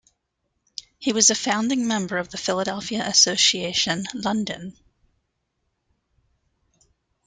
He was a founding member of the Philadelphia Association, London.